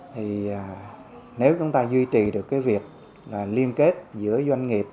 thì nếu chúng ta duy trì được cái việc là liên kết giữa doanh nghiệp